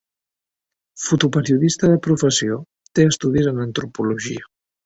Fotoperiodista de professió, té estudis en Antropologia.